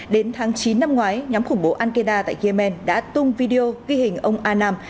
đến tháng chín năm ngoái nhóm khủng bố al qaeda tại yemen đã tung video ghi hình ông annam